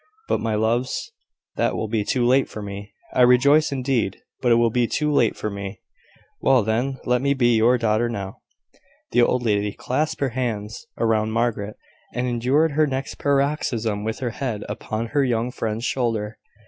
But, my loves, that will be too late for me. I rejoice indeed; but it will be too late for me." "Well, then, let me be your daughter now." The old lady clasped her arms about Margaret, and endured her next paroxysm with her head upon her young friend's shoulder.